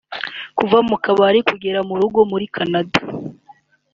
Kuva mu kabari kugeza mu rugo muri Canada